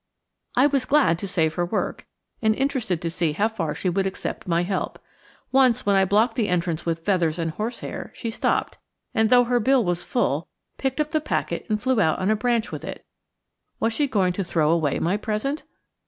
I was glad to save her work, and interested to see how far she would accept my help. Once when I blocked the entrance with feathers and horsehair she stopped, and, though her bill was full, picked up the packet and flew out on a branch with it. Was she going to throw away my present?